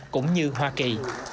cũng như hoa kỳ